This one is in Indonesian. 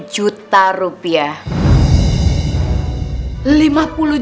lima puluh juta rupiah